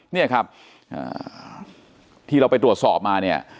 เนี่ยครับที่เราไปตรวจสอบมาเนี่ย